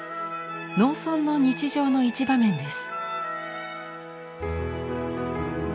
農村の日常の一場面です。